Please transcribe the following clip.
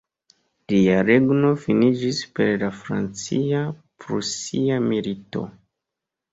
Lia regno finiĝis per la Francia-Prusia Milito.